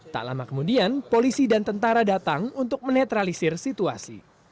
tak lama kemudian polisi dan tentara datang untuk menetralisir situasi